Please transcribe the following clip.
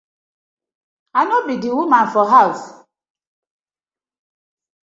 I no bi di woman for haws.